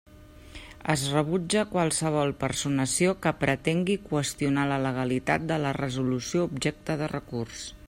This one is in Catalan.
Es rebutja qualsevol personació que pretengui qüestionar la legalitat de la resolució objecte de recurs.